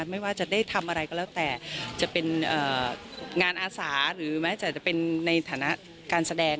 ไม่ว่าจะได้ทำอะไรก็แล้วแต่จะเป็นงานอาสาหรือแม้แต่จะเป็นในฐานะการแสดง